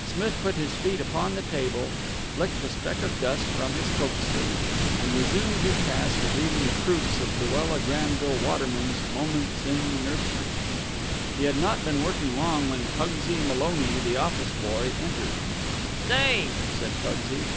Smith put his feet upon the table, flicked a speck of dust from his coat sleeve, and resumed his task of reading the proofs of Luella Granville Waterman's "Moments in the Nursery." He had not been working long, when Pugsy Maloney, the office boy, entered. "Say!" said Pugsy.